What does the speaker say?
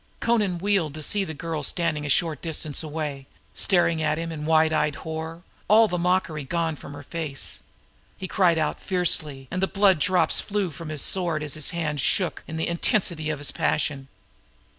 Amra wheeled, to see the girl standing a short distance away, staring in wide eyed horror, all mockery gone from her face. He cried out fiercely and the blood drops flew from his sword as his hand shook in the intensity of his passion.